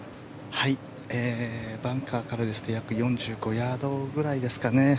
バンカーからですと約４５ヤードぐらいですかね。